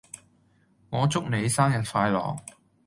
我祝你生日快樂